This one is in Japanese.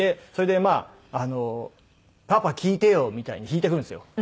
それでまあ「パパ聴いてよ」みたいに弾いてくるんですよ。